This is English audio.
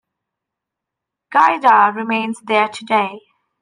Guida remains there today.